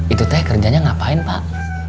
itu teh kerjanya ngapain pak